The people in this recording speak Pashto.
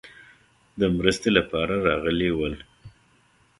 د مرستې لپاره راغلي ول.